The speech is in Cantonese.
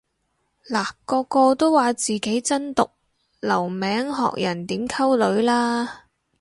嗱個個都話自己真毒留名學人點溝女啦